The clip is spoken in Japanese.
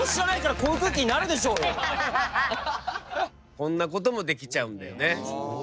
こんなこともできちゃうんだよね。